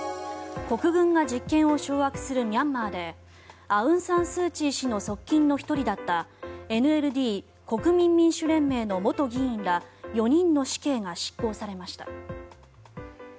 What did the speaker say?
国軍が実権を掌握するミャンマーでアウンサンスーチー氏の側近の１人だったＮＬＤ・国民民主連盟の元議員ら４人の死刑が執行されました。